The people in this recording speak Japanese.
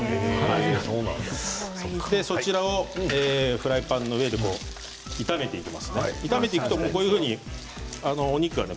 フライパンの上で炒めていきますね。